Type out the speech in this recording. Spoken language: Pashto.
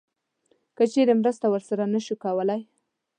که چیرته مرسته ورسره نه شو کولی